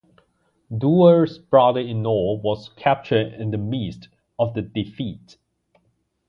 Duwa's brother-in-law was captured in the midst of the defeat.